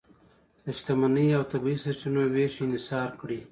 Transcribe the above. د شتمنۍ او طبیعي سرچینو وېش انحصار کړي.